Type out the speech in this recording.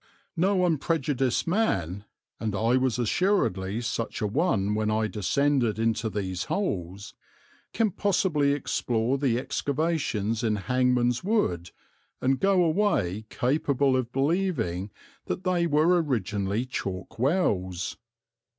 No unprejudiced man, and I was assuredly such a one when I descended into these holes, can possibly explore the excavations in Hangman's Wood and go away capable of believing that they were originally chalk wells.